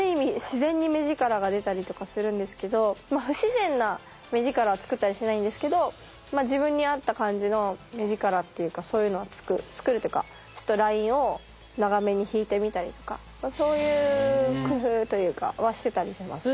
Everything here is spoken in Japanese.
自然に目力が出たりとかするんですけど不自然な目力は作ったりしないんですけどまあ自分に合った感じの目力っていうかそういうのは作るっていうかそういう工夫というかはしてたりします。